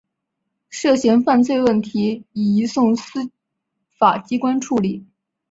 涉嫌犯罪问题已移送司法机关处理。